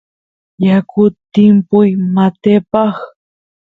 yakut timpuy matepaq